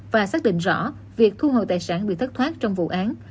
và xác định rõ việc thu hồi tài sản bị thất thoát trong vụ án